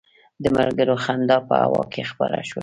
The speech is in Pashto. د ملګرو خندا په هوا کې خپره شوه.